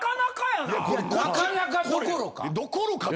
いやなかなかどころか！